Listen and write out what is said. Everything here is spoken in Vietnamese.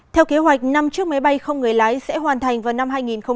theo kế hoạch năm chiếc máy bay không người lái sẽ hoàn thành vào năm hai nghìn hai mươi